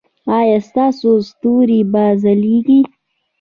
ایا ستاسو ستوري به ځلیږي؟